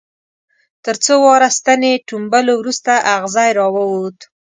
تر څو واره ستنې ټومبلو وروسته اغزی را ووت.